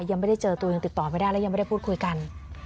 ยังไม่ได้เจอตัวยังติดต่อไม่ได้และยังไม่ได้พูดคุยกัน